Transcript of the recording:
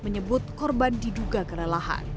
menyebut korban diduga kelelahan